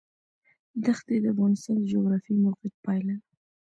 ښتې د افغانستان د جغرافیایي موقیعت پایله ده.